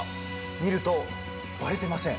見ると割れてません。